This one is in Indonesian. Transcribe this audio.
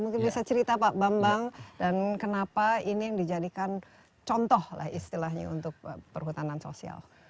mungkin bisa cerita pak bambang dan kenapa ini yang dijadikan contoh lah istilahnya untuk perhutanan sosial